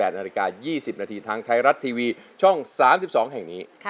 นาฬิกา๒๐นาทีทางไทยรัฐทีวีช่อง๓๒แห่งนี้